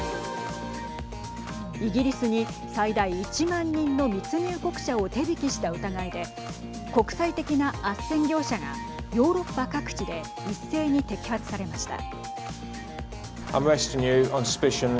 イギリスに最大１万人の密入国者を手引きした疑いで国際的なあっせん業者がヨーロッパ各地で一斉に摘発されました。